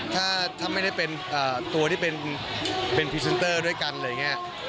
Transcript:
ถ้าไม่ได้เป็นตัวที่เป็นพรีเซนเตอร์ด้วยกันอะไรอย่างนี้